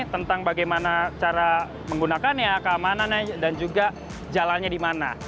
tentang bagaimana cara menggunakannya keamanannya dan juga jalannya di mana